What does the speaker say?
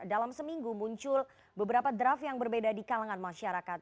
dalam seminggu muncul beberapa draft yang berbeda di kalangan masyarakat